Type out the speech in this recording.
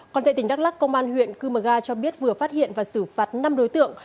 còn tại tỉnh đắk lắc công an huyện cư mờ ga cho biết vừa phát hiện và xử phạt năm đối tượng